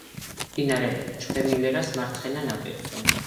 მდინარე ჩხერიმელას მარცხენა ნაპირზე.